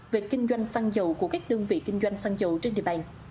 về kinh doanh xăng dầu của các đơn vị kinh doanh xăng dầu trên địa bàn